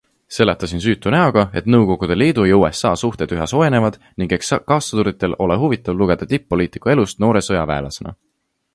Seletasin süütu näoga, et N Liidu ja USA suhted üha soojenevad ning eks kaassõduritel ole huvitav lugeda tipp-poliitiku elust noore sõjaväelasena.